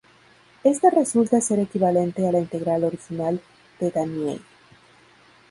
Esta resulta ser equivalente a la integral original de Daniell.